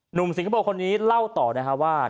หนุ่มสิงคโปร์ลูกคนนี้เล่าต่อว่า